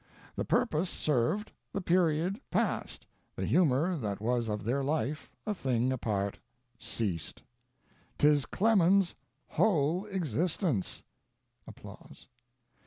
The purpose served, the period passed, the humor that was of their life a thing apart ceased. 'Tis Clemens's whole existence! [Applause.